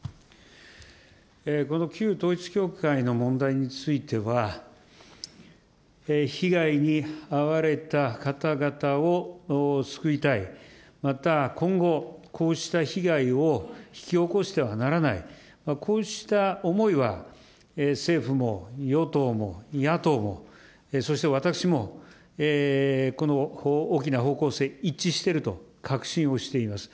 この旧統一教会の問題については、被害に遭われた方々を救いたい、また今後、こうした被害を引き起こしてはならない、こうした思いは政府も与党も野党もそして私もこの大きな方向性、一致していると確信をしています。